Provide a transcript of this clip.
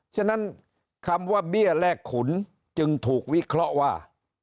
ฉะนั้นคำว่าเบี้ยแลกขุนจึงถูกวิเคราะห์ว่า